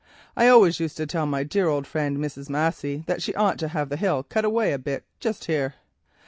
I always used to tell my dear old friend, Mrs. Massey, that she ought to have the hill cut away a bit just here.